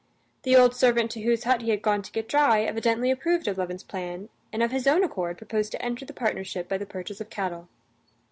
The old servant to whose hut he had gone to get dry evidently approved of Levin's plan, and of his own accord proposed to enter the partnership by the purchase of cattle.